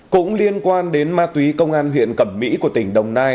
cũng liên quan đến ma túy công an huyện cẩm mỹ của tỉnh đồng nai